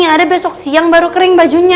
yang ada besok siang baru kering bajunya